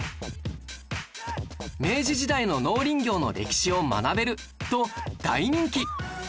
明治時代の農林業の歴史を学べると大人気